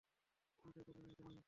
চিন্তাও করবে না এটা নিয়ে।